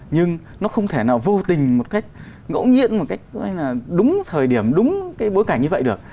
nhưng nó không thể nào vô tình một cách ngẫu nhiên một cách là đúng thời điểm đúng cái bối cảnh như vậy được